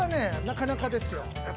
なかなかですよ。